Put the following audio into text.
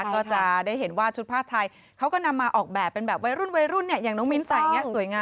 ก็จะได้เห็นว่าชุดผ้าไทยเขาก็นำมาออกแบบเป็นแบบวัยรุ่นวัยรุ่นเนี่ยอย่างน้องมิ้นใส่อย่างนี้สวยงาม